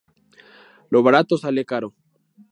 Lo barato sale caro